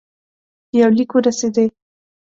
یو لیک ورسېدی.